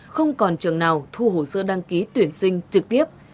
không còn trường nào thu hồ sơ đăng ký tuyển sinh trực tiếp